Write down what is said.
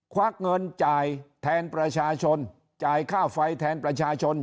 วักเงินจ่ายแทนประชาชนจ่ายค่าไฟแทนประชาชน